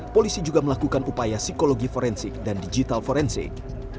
polisi juga melakukan upaya psikologi forensik dan digital forensik